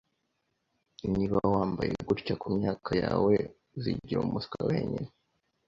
Niba wambaye gutya kumyaka yawe, uzigira umuswa wenyine.